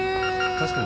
確かに。